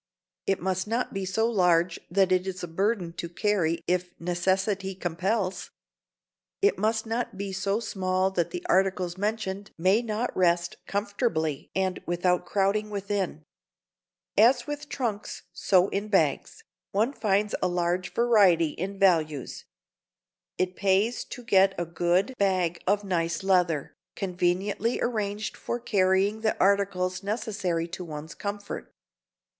It must not be so large that it is a burden to carry if necessity compels. It must not be so small that the articles mentioned may not rest comfortably and without crowding within. As with trunks, so in bags, one finds a large variety in values. It pays to get a good bag of nice leather, conveniently arranged for carrying the articles necessary to one's comfort.